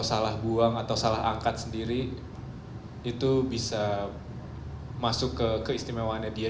salah buang atau salah angkat sendiri itu bisa masuk ke keistimewaannya dia